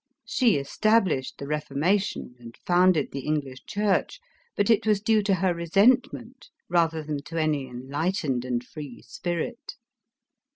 She established the Reformation and founded the English church ; but it was due to her resentment, rather than to any enlight ened and free spirit.